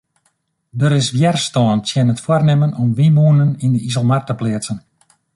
Der is wjerstân tsjin it foarnimmen om wynmûnen yn de Iselmar te pleatsen.